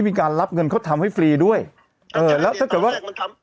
บินการรับเงินเขาทำให้ฟรีด้วยหรือแล้วถ้าตามแรกแค่ทำ